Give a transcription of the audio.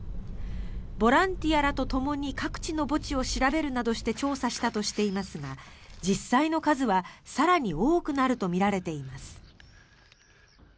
ボランティアらとともに各地の墓地を調べるなどして調査したとしていますが実際の数は更に多くなるとみられています。